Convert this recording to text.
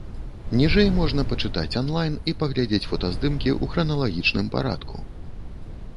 Ніжэй можна пачытаць онлайн і паглядзець фотаздымкі ў храналагічным парадку.